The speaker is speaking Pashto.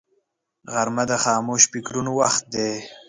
غرمه د خاموش فکرونو وخت دی